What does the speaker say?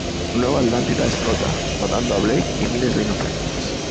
Nueva Atlántida explota, matando a Blake y miles de inocentes.